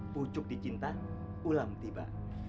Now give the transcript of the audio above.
pucuk di cinta ulang tiba